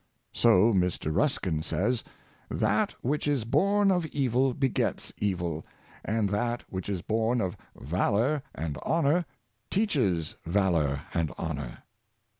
So Mr. Rus kin says, ^' that which is born of evil begets evil; and that which is born of valor and honor teaches valor and honor."